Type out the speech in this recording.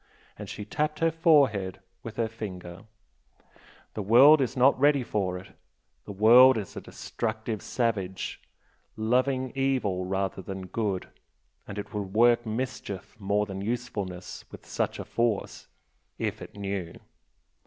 and she tapped her forehead with her finger "The world is not ready for it. The world is a destructive savage, loving evil rather than good, and it would work mischief more than usefulness with such a force if it knew!